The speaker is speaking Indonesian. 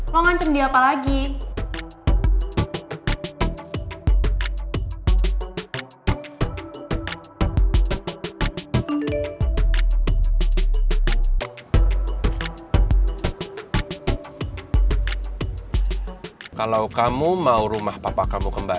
lo ngancam dia apa lagi